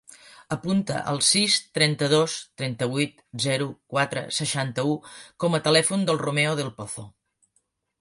Apunta el sis, trenta-dos, trenta-vuit, zero, quatre, seixanta-u com a telèfon del Romeo Del Pozo.